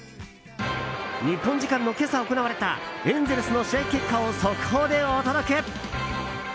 日本時間の今朝行われたエンゼルスの試合結果を速報でお届け。